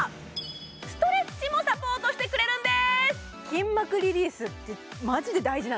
ストレッチもサポートしてくれるんです